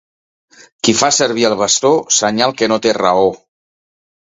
Qui fa servir el bastó, senyal que no té raó.